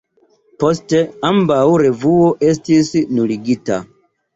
Poste, ambaŭ revuoj estis nuligita.